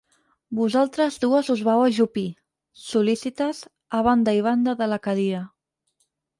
Vosaltres dues us vau ajupir, sol·lícites, a banda i banda de la cadira.